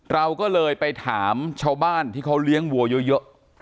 เราก็เลยไปถามชาวบ้านที่เขาเลี้ยงวัวเยอะ